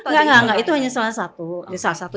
enggak enggak itu hanya salah satu